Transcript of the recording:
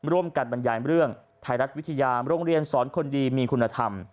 บรรยายเรื่องไทยรัฐวิทยาโรงเรียนสอนคนดีมีคุณธรรม